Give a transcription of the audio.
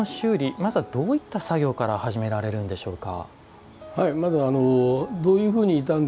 まずはどういった作業から始められるんでしょうか。